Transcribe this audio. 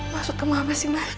masuk ke rumah mas imah